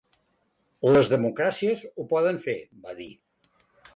Les democràcies ho poden fer, va dir.